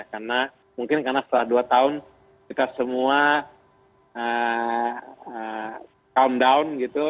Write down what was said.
karena mungkin karena setelah dua tahun kita semua countdown gitu